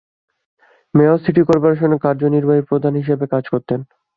Mayor city কর্পোরেশনের কার্যনির্বাহী প্রধান হিসাবে কাজ করতেন।